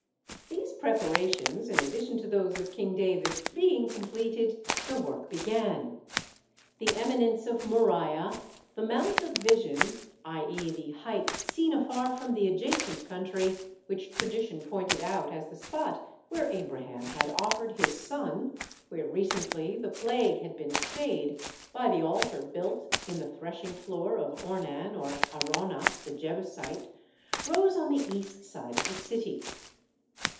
These preparations, in addition to those of King David, being completed, the work began. The eminence of Moriah, the Mount of Vision, i.e., the height seen afar from the adjacent country, which tradition pointed out as the spot where Abraham had offered his son (where recently the plague had been stayed, by the altar built in the threshing floor of Ornan or Araunah, the Jebusite), rose on the east side of the city.